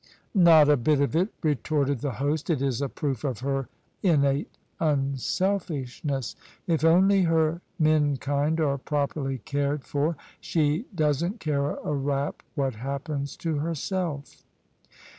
" Not a bit of it," retorted the host: " it is a proof of her innate unselfishness. If only her menkind are properly cared for, she doesn't care a rap what happens to herself."